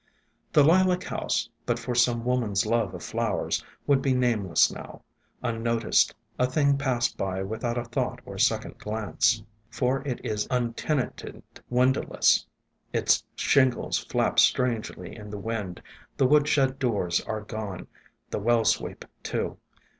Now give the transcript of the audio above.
The Lilac House, but for some woman's love of flowers, would be nameless now, unnoticed, a thing passed by without a thought or second glance; E 66 ESCAPED FROM GARDENS for it is untenanted, windowless. Its shingles flap strangely in the wind, the woodshed doors are gone, the well sweep, too.